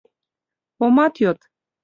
— Омат йод!